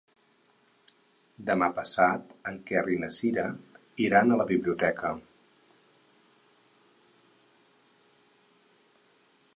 Demà passat en Quer i na Cira iran a la biblioteca.